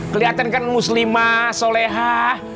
keliatan kan muslimah solehah